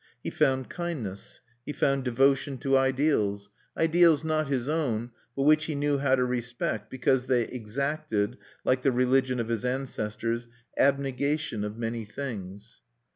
He found kindness; he found devotion to ideals, ideals not his own, but which he knew how to respect because they exacted, like the religion of his ancestors, abnegation of many things.